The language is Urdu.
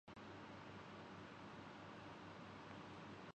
جیسے اوپر ذکر کیا ہے۔